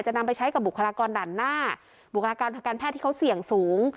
นำไปใช้กับบุคลากรด่านหน้าบุคลากรทางการแพทย์ที่เขาเสี่ยงสูง